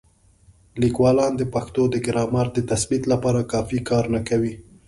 لیکوالان د پښتو د ګرامر د تثبیت لپاره کافي کار نه کوي.